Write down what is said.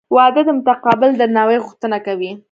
• واده د متقابل درناوي غوښتنه کوي.